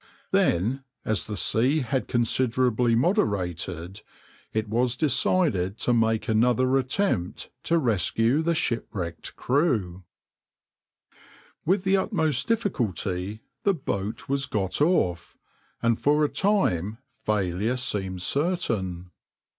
Then, as the sea had considerably moderated, it was decided to make another attempt to rescue the shipwrecked crew.\par With the utmost difficulty the boat was got off, and for a time failure seemed certain.